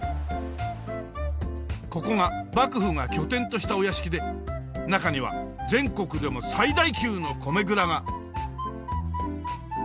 ここが幕府が拠点としたお屋敷で中には全国でも最大級の米蔵が。